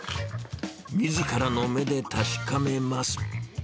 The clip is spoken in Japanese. みずからの目で確かめます。